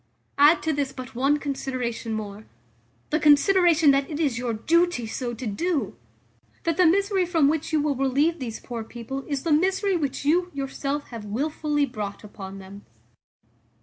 Add to this but one consideration more; the consideration that it is your duty so to do That the misery from which you will relieve these poor people is the misery which you yourself have wilfully brought upon them."